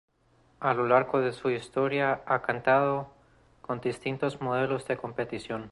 A lo largo de su historia ha contado con distintos modelos de competición.